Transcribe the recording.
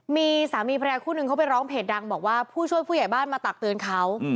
มีสามีภรรยาคู่นึงเขาไปร้องเพจดังบอกว่าผู้ช่วยผู้ใหญ่บ้านมาตักเตือนเขา